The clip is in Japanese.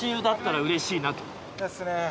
ですね。